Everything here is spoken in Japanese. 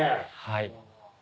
はい。